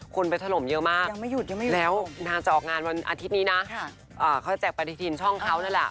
เขาจะแจกปฏิศินป์ช่องเขานั่นแหละ